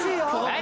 何？